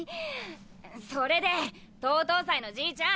それで刀々斎のじいちゃん